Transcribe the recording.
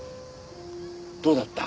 どうだった？